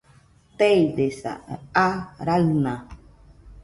Teidesa, aa raɨna